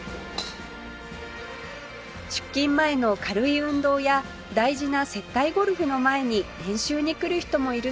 出勤前の軽い運動や大事な接待ゴルフの前に練習に来る人もいるそうです